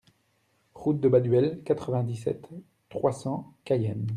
Route de Baduel, quatre-vingt-dix-sept, trois cents Cayenne